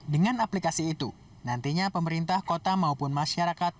dengan aplikasi itu nantinya pemerintah kota maupun masyarakat